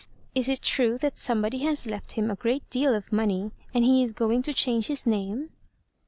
Is it trae that somebody has left him a great deal of money, and he is going to change his name